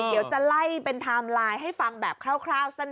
เดี๋ยวจะไล่เป็นไทม์ไลน์ให้ฟังแบบคร่าวสั้น